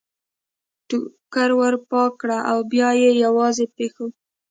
ټوکر ور پاک کړ او بیا یې یوازې پرېښود.